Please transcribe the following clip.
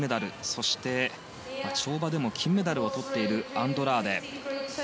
そして、跳馬でも金メダルをとっているアンドラーデ。